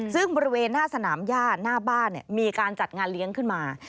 ซึ่งบริเวณหน้าสนามย่าหน้าบ้านมีการจัดงานเลี้ยงขึ้นมา